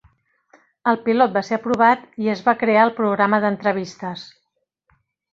El pilot va ser aprovat i es va crear el programa d'entrevistes.